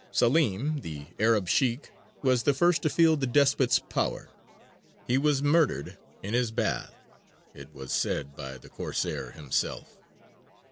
Salim, the Arab Sheykh, was the first to feel the despot's power: he was murdered in his bath it was said by the Corsair himself.